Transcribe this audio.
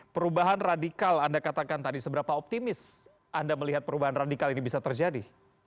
perubahan radikal anda katakan tadi seberapa optimis anda melihat perubahan radikal ini bisa terjadi